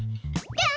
ぴょん！